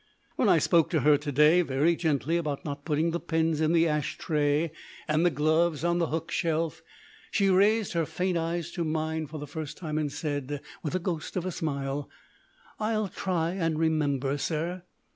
When I spoke to her today very gently about not putting the pens in the ash tray and the gloves on the hook shelf she raised her faint eyes to mine for the first time, and said with the ghost of a smile, "I'll try and remember, sir."